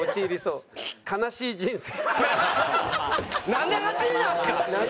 なんで８位なんすか！